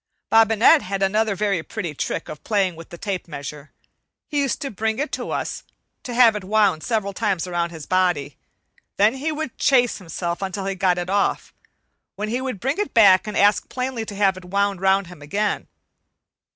Bobinette had another very pretty trick of playing with the tape measure. He used to bring it to us and have it wound several times around his body; then he would "chase himself" until he got it off, when he would bring it back and ask plainly to have it wound round him again.